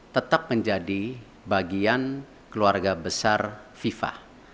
tetap menjadi bagian keluarga besar fifa